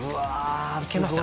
いけました。